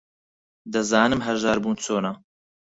دەزانم ھەژار بوون چۆنە.